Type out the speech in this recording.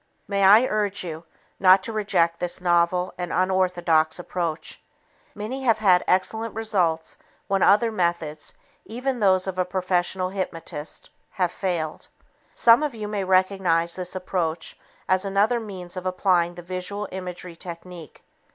May I urge you not to reject this novel and unorthodox approach. Many have had excellent results when other methods, even those of a professional hypnotist, have failed. Some of you may recognize this approach as another means of applying the visual imagery technique.